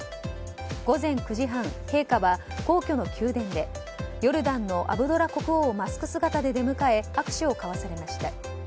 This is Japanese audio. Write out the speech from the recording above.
午前９時半、陛下は皇居の宮殿でヨルダンのアブドラ国王をマスク姿で出迎え握手を交わされました。